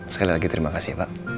sekali lagi terima kasih pak